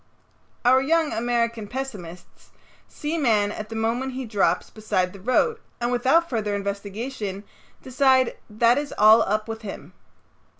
Our young American pessimists see man at the moment he drops beside the road, and without further investigation decide that it is all up with him.